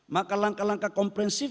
maka langkah langkah komprensif